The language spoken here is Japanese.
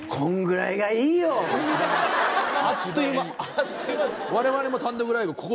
あっという間です。